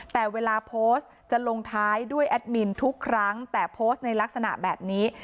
แต่เวลาโพสต์จะลงท้ายด้วยแอดมินทุกครั้งแต่โพสต์ในลักษณะแบบนี้